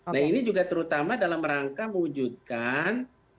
nah ini juga terutama dalam rangka mewujudkan